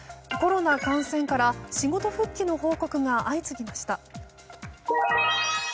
コロナ感染から仕事復帰の報告が相次ぎました。